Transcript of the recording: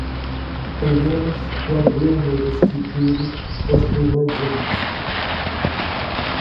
lá iremos quando eu me restituir aos primeiros anos